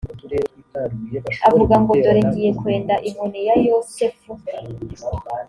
avuga ngo dore ngiye kwenda inkoni ya yosefu